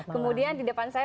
kemudian di depan saya